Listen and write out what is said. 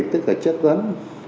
tất cả chất vấn